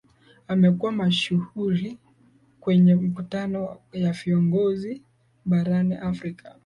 amekuwa mashuhuri kwenye mikutano ya viongozi barani afrika